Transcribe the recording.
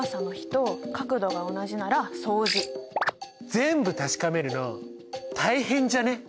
全部確かめるの大変じゃね？